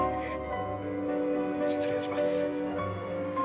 失礼します。